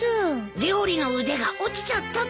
料理の腕が落ちちゃったってこと？